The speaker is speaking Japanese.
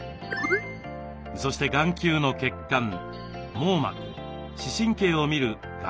そして眼球の血管網膜視神経を診る眼底検査。